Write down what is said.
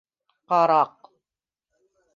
Ҡараҡ.